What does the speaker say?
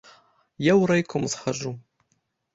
Я ў райком схаджу.